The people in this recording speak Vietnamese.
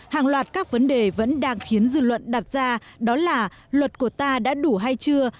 hàng loạt các vấn đề vẫn đang khiến dư luận đặt ra đó là luật của ta đã đủ hay chưa